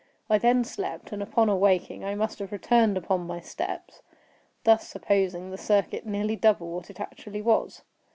I then slept—and, upon awaking, I must have returned upon my steps—thus supposing the circuit nearly double what it actually was.